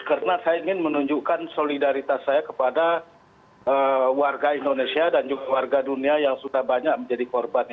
karena saya ingin menunjukkan solidaritas saya kepada warga indonesia dan juga warga dunia yang sudah banyak menjadi korban